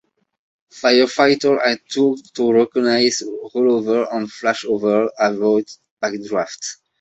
Firefighters are taught to recognize rollovers and flashovers and avoid backdrafts.